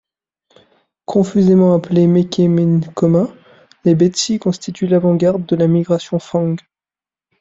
Confusément appelés Mekè Me Nkoma, les Betsi constituent l'avant-garde de la migration Fang.